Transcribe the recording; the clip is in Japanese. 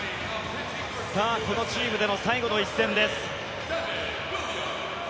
このチームでの最後の一戦です。